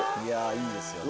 いいですよね。